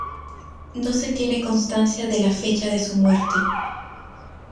No se tiene constancia de la fecha de su muerte.